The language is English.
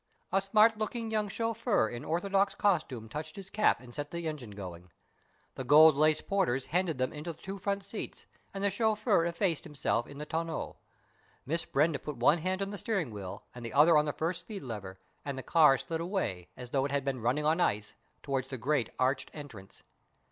A smart looking young chauffeur in orthodox costume touched his cap and set the engine going. The gold laced porters handed them into the two front seats, and the chauffeur effaced himself in the tonneau. Miss Brenda put one hand on the steering wheel and the other on the first speed lever, and the car slid away, as though it had been running on ice, towards the great arched entrance.